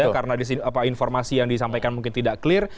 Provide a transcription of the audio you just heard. karena informasi yang disampaikan mungkin tidak clear